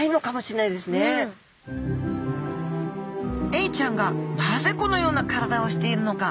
エイちゃんがなぜこのような体をしているのか？